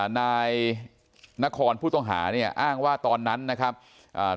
นายนครผู้ต้องหาเนี่ยอ้างว่าตอนนั้นนะครับอ่า